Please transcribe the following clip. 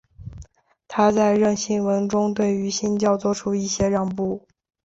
他在认信文中对于新教做出一些让步。